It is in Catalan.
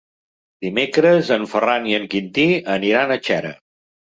Dimecres en Ferran i en Quintí aniran a Xera.